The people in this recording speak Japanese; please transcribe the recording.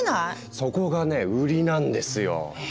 そこがね売りなんですよ。え？